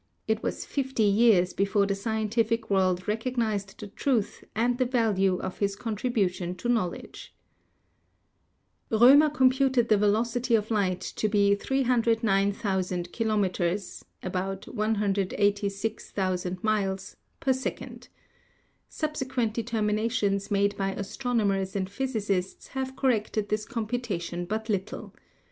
It was fifty years before the scientific world recognised the truth and the value of his contribution to knowledge. Romer computed the velocity of light to be 309,000 kilo meters (about 186,000 miles) per second. Subsequent de terminations made by astronomers and physicists have corrected this computation but little.